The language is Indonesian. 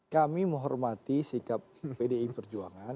kami menghormati sikap pdi perjuangan